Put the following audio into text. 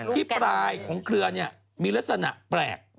ที่ปลายของเครือมีลักษณะแปลก